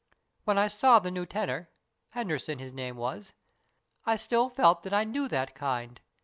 "When I saw the new tenor Henderson his name was I still felt that I knew that kind.